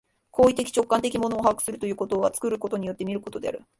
行為的直観的に物を把握するということは、作ることによって見ることである。